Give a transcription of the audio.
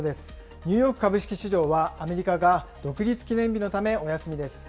ニューヨーク株式市場は、アメリカが独立記念日のためお休みです。